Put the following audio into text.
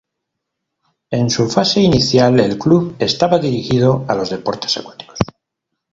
En su fase inicial, el club estaba dirigido a los deportes acuáticos.